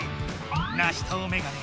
ナシトウメガネ